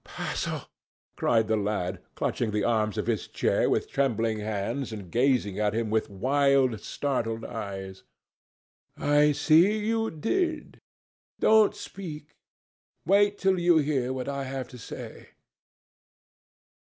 "Basil!" cried the lad, clutching the arms of his chair with trembling hands and gazing at him with wild startled eyes. "I see you did. Don't speak. Wait till you hear what I have to say.